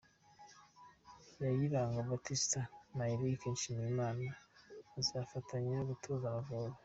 Kayiranga Baptiste na Eric Nshimiyimana bazafatanya gutoza Amavubi.